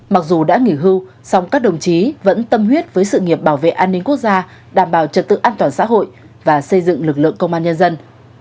mặc dù đã nghỉ hưu song các đồng chí vẫn tâm huyết với sự nghiệp bảo vệ an ninh quốc gia đảm bảo trật tự an toàn xã hội và xây dựng lực lượng công an nhân dân